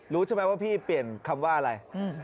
รู้ใช่ไหมว่าพี่เปลี่ยนคำว่าอะไร